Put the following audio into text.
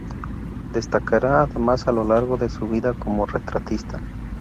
Destacará además a lo largo de su vida como retratista.